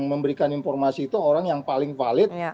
memberikan informasi itu orang yang paling valid